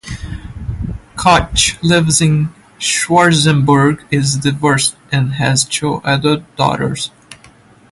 Koch lives in Schwarzenburg is divorced and has two adult daughters.